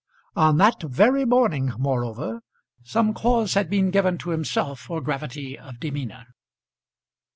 On that very morning, moreover, some cause had been given to himself for gravity of demeanour.